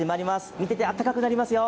見ててあったかくなりますよ。